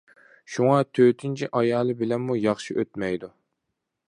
شۇڭا تۆتىنچى ئايالى بىلەنمۇ ياخشى ئۆتمەيدۇ.